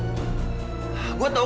gue tau kok juli ada di dalam